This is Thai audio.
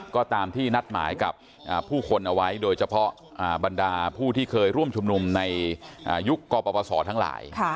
ก็ตามที่นัดหมายกับผู้คนเอาไว้โดยเฉพาะบรรดาผู้ที่เคยร่วมชุมนุมในยุคกปศทั้งหลาย